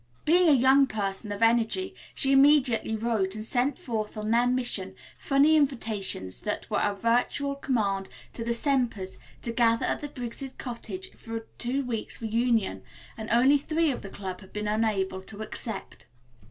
Being a young person of energy, she immediately wrote, and sent forth on their mission, funny invitations that were a virtual command to the Sempers to gather at the Briggs' cottage for a two weeks' reunion, and only three of the club had been unable to accept.